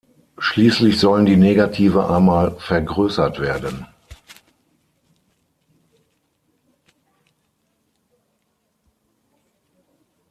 Schließlich sollen die Negative einmal vergrößert werden.